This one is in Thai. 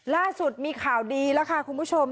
ล่าสุดมีข่าวดีแล้วค่ะคุณผู้ชม